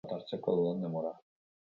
Gaur berandu gabiltza.